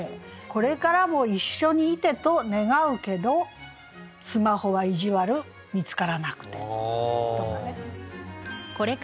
「これからも一緒に居てと願うけどスマホは意地悪見つからなくて」とかね。